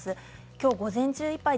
今日、午前中いっぱい